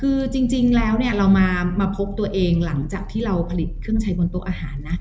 คือจริงแล้วเนี่ยเรามาพบตัวเองหลังจากที่เราผลิตเครื่องใช้บนโต๊ะอาหารนะ